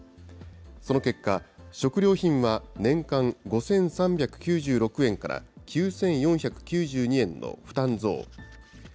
その結果、食料品は年間５３９６円から９４９２円の負担増。